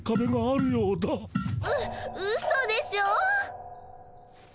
ううそでしょ？